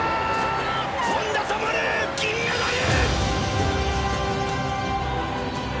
本多灯銀メダル！